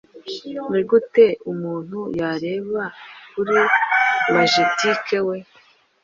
Nigute umuntu yareba kuri Majetick we,